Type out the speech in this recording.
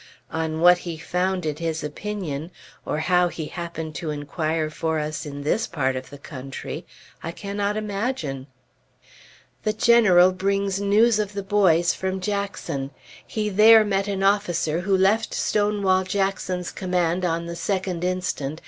On what he founded his opinion, or how he happened to inquire for us in this part of the country, I cannot imagine. The General brings news of the boys from Jackson. He there met an officer who left Stonewall Jackson's command on the 2d inst.